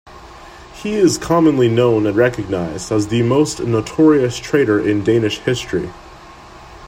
He is commonly known and recognized as the most notorious traitor in Danish history.